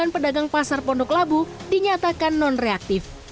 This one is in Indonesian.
sembilan puluh sembilan pedagang pasar pondok labu dinyatakan nonreaktif